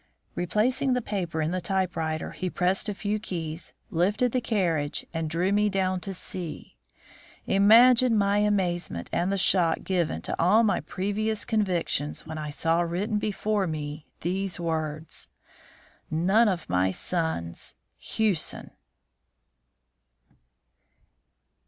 Replacing the paper in the typewriter, he pressed a few keys, lifted the carriage, and drew me down to see. Imagine my amazement and the shock given to all my previous convictions when I saw written before me these words: "None of my sons hewson."